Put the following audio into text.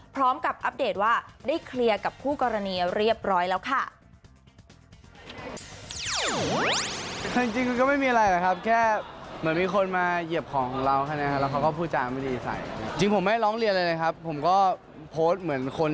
อัปเดตว่าได้เคลียร์กับคู่กรณีเรียบร้อยแล้วค่ะ